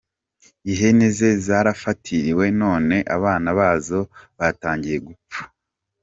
Ihene ze zarafatiriwe none abana bazo batangiye gupfa